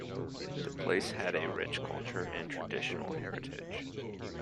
The place has a rich cultural and traditional heritage.